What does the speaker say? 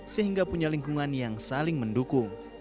sehingga punya lingkungan yang saling mendukung